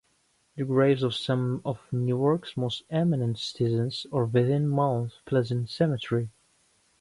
The graves of some of Newark's most eminent citizens are within Mount Pleasant Cemetery.